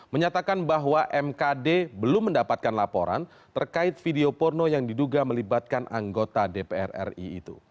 menyatakan bahwa mkd belum mendapatkan laporan terkait video porno yang diduga melibatkan anggota dpr ri itu